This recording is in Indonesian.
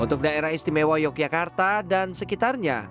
untuk daerah istimewa yogyakarta dan sekitarnya